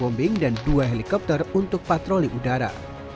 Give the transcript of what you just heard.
kedepannya juga menghasilkan pemadaman api lewat udara